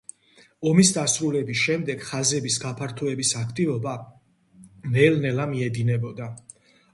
ომის დასრულების შემდეგ ხაზების გაფართოების აქტივობა ნელ-ნელა მიედინებოდა.